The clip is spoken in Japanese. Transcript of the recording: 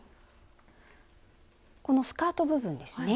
このスカート部分ですね